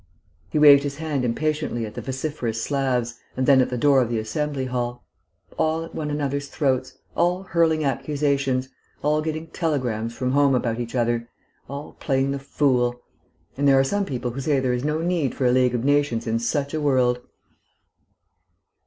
He waved his hand impatiently at the vociferous Slavs, and then at the door of the Assembly Hall. "All at one another's throats; all hurling accusations; all getting telegrams from home about each other; all playing the fool. And there are some people who say there is no need for a League of Nations in such a world!"